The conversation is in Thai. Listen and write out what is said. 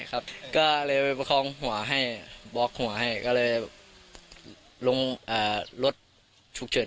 ก็เลยไปประคองหัวให้บล็อกหัวให้ก็เลยลงรถฉุกเฉิน